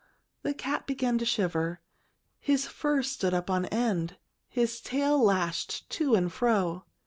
The cat began to shiver. His fur stood up on end. His tail lashed to and fro.